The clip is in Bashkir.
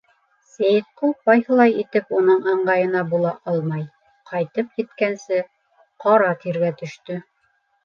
Сәйетҡол ҡайһылай итеп уның ыңғайына була алмай, ҡайтып еткәнсе, ҡара тиргә төштө.